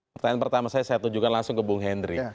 pertanyaan pertama saya saya tunjukkan langsung ke bung hendry